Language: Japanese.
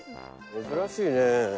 珍しいね。